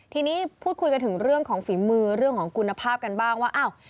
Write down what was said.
ทีนี้พูดคุยกันถึงเรื่องของฝีมือเรื่องของคุณภาพกันบ้างว่าอ้าว